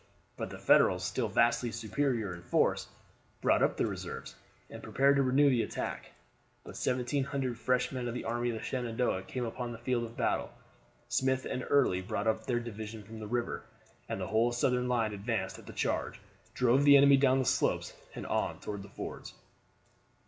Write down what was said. But the Federals, still vastly superior in force, brought up the reserves, and prepared to renew the attack; but 1,700 fresh men of the army of the Shenandoah came upon the field of battle, Smith and Early brought up their division from the river, and the whole Southern line advanced at the charge, drove the enemy down the slopes and on toward the fords.